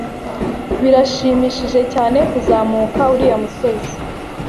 Birashimishije cyane kuzamuka uriya musozi.